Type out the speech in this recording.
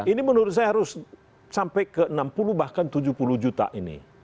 ini menurut saya harus sampai ke enam puluh bahkan tujuh puluh juta ini